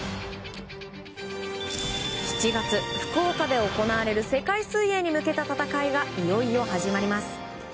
７月、福岡で行われる世界水泳に向けた戦いがいよいよ始まります。